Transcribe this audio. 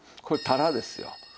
これタラですよ。